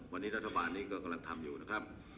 วันนี้รัฐบาลนี้ก็กำลังทำอยู่นะครับ